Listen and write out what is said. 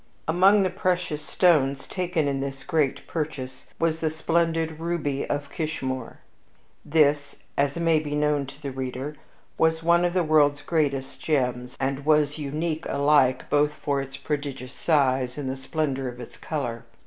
Among the precious stones taken in this great purchase was the splendid ruby of Kishmoor. This, as may be known to the reader, was one of the world's greatest gems, and was unique alike both for its prodigious size and the splendor of its color.